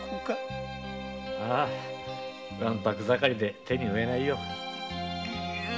ああわんぱく盛りで手に負えないよ。